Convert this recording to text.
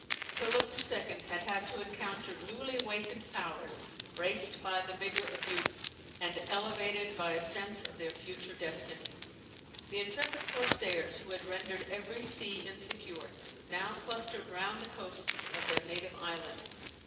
Philip II. had had, to encounter newly awakened powers, braced by the vigour of youth, and elevated by a sense of their future destiny. The intrepid corsairs, who had rendered every sea insecure, now clustered round the coasts of their native island.